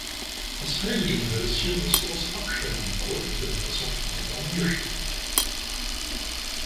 Das Heiligenhäuschen ist aus Backstein erbaut und in weißer Farbe angestrichen.